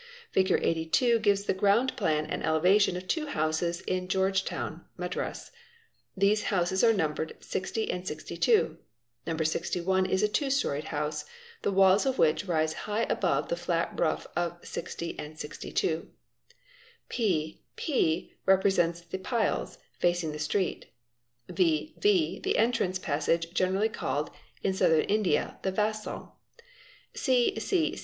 q Figure 82 gives the ground plan and elevation of two houses in George Town, Madras. These houses are numbered 60 and 62; No. 61. is a two storied house, the walls of which rise high above the flat roof of 60 and 62. P,P, represent the pials, facing the street; V, V, the ol passage generally called in Southern India the Vasal.